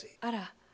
あら。